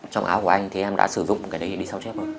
trong áo của anh thì em đã sử dụng cái đấy đi sao chép rồi